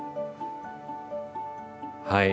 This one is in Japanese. はい。